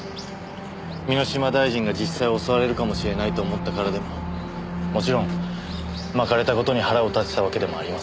箕島大臣が実際襲われるかもしれないと思ったからでももちろんまかれた事に腹を立てたわけでもありません。